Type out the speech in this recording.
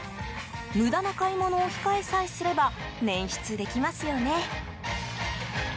無駄な買い物を控えさえすれば捻出できますよね。